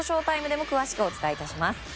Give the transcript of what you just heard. ＳＨＯ‐ＴＩＭＥでも詳しくお伝えします。